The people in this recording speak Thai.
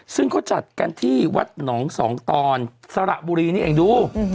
ซึ่งเขาจัดกันที่วัดหนองสองตอนสระบุรีนี่เองดู